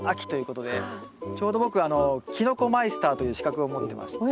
ちょうど僕きのこマイスターという資格を持ってまして。